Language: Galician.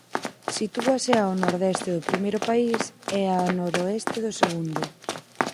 Sitúase ao nordeste do primeiro país e a noroeste do segundo.